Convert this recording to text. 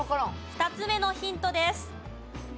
２つ目のヒントです。